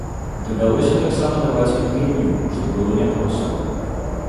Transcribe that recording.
Давялося таксама даваць інтэрв'ю, што было няпроста.